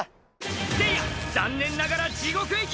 せいや、残念ながら地獄行き。